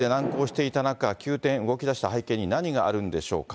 与野党協議で難航していた中、急転、動きだした背景に何があるんでしょうか。